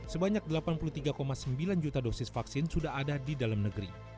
sebanyak delapan puluh tiga sembilan juta dosis vaksin sudah ada di dalam negeri